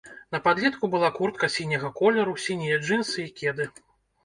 На падлетку была куртка сіняга колеру, сінія джынсы і кеды.